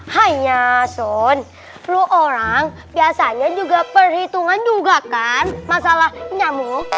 haiyaa sun lu orang biasanya juga perhitungan juga kan masalah nyamuk